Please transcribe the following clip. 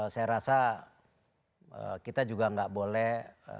saya rasa kita juga nggak boleh